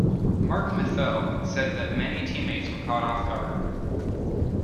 Marc Methot said many teammates were caught off guard.